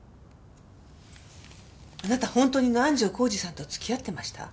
あなたほんとに南条晃司さんと付き合ってました？